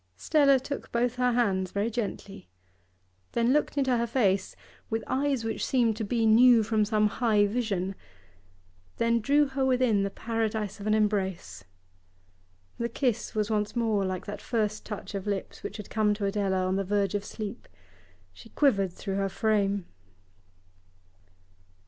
Stella took both her hands very gently, then looked into her face with eyes which seemed to be new from some high vision, then drew her within the paradise of an embrace. The kiss was once more like that first touch of lips which had come to Adela on the verge of sleep; she quivered through her frame.